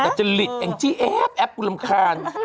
แต่จริตแองจี้แอฟแอปกูรำคาญ